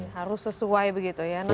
harus sesuai begitu ya